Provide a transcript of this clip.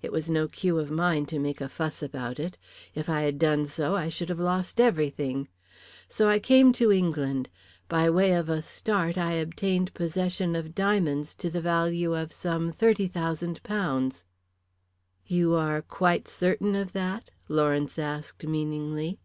It was no cue of mine to make a fuss about it. If I had done so I should have lost everything. So I came to England. By way of a start I obtained possession of diamonds to the value of some £30,000." "You are quite certain of that?" Lawrence asked, meaningly.